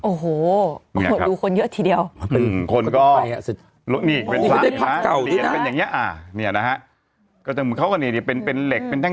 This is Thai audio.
โอ้โหหอดูคนเยอะทีเดียวคนก็นี่เอ่ะนะฮะก็จะเหาะกันเองเนี่ยที่เป็นเหล็กเป็นแท่ง